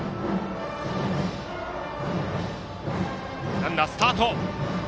ランナー、スタート。